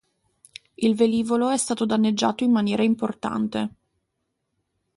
Il velivolo è stato danneggiato in maniera importate.